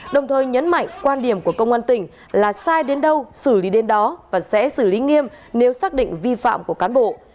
đồng thời nhấn mạnh quan điểm của công an tỉnh là sai đến đâu xử lý đến đó và sẽ xử lý nghiêm nếu xác định vi phạm của cán bộ